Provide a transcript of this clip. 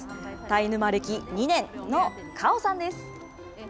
タイ沼歴２年のカオさんです。